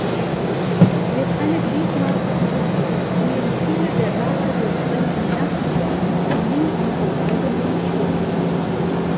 Wird eine Gliedmaße amputiert, enden viele der dabei durchtrennten Nervenbahnen nun am verbleibenden Stumpf.